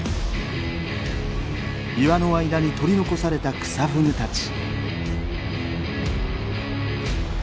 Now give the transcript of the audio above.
岩の間に取り残されたクサフグたち。